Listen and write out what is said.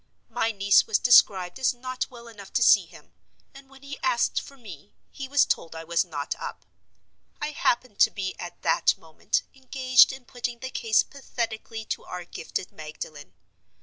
My niece was described as not well enough to see him; and, when he asked for me, he was told I was not up. I happened to be at that moment engaged in putting the case pathetically to our gifted Magdalen.